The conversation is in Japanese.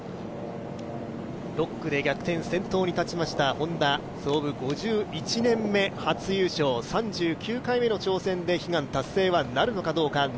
６区で逆転、先頭に立ちましたＨｏｎｄａ、創部５１年目初優勝、３９回目の挑戦で悲願達成はなるのかどうか。